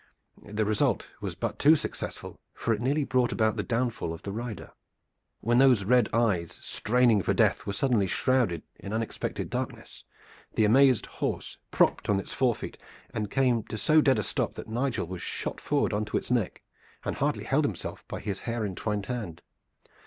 The result was but too successful, for it nearly brought about the downfall of the rider. When those red eyes straining for death were suddenly shrouded in unexpected darkness the amazed horse propped on its forefeet and came to so dead a stop that Nigel was shot forward on to its neck and hardly held himself by his hair entwined hand.